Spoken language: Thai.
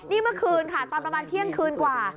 นี่เมื่อคืนค่ะตอนประมาณเที่ยงคืนกว่า